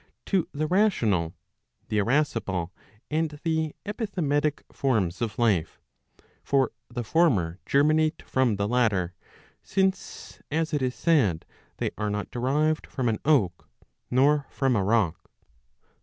,to the rational, the irascible and the epithymetic forms of life ; for the former germinate from the latter; since, as it is said, they are not derived from an oak, nor from a rock.